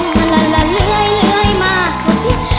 มันละละเลื่อยมากกว่าเพียง